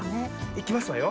いきますわよ。